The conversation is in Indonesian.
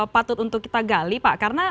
patut untuk kita gali pak karena